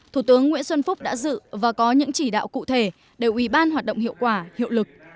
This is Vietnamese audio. thủ tướng nguyễn xuân phúc đã dự và có những chỉ đạo cụ thể để ủy ban hoạt động hiệu quả hiệu lực